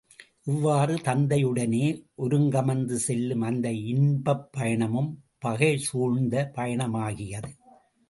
இவ்வாறு தத்தையுடனே ஒருங்கமர்ந்து செல்லும் அந்த இன்பப் பயணமும் பகை சூழ்ந்த பயணமாகியது.